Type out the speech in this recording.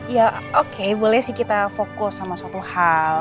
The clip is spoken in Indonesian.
ya oke boleh sih kita fokus sama suatu hal